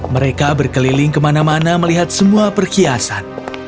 mereka berkeliling kemana mana melihat semua perhiasan